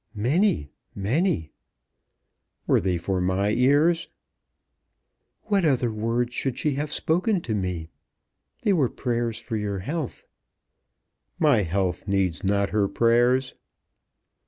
"Many, many." "Were they for my ears?" "What other words should she have spoken to me? They were prayers for your health." "My health needs not her prayers."